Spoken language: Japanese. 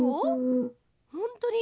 ほんとに。